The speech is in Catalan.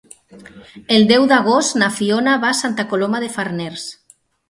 El deu d'agost na Fiona va a Santa Coloma de Farners.